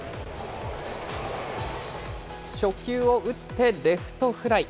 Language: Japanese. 初球を打ってレフトフライ。